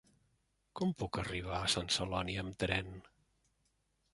Com puc arribar a Sant Celoni amb tren?